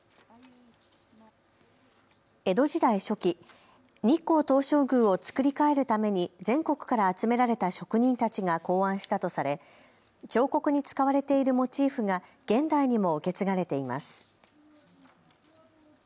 江戸時代初期、日光東照宮を造り替えるために全国から集められた職人たちが考案したとされ彫刻に使われているモチーフが現代にも受け継がれています。